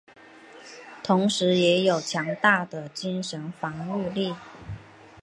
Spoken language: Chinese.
同时也有强大的精神防御力。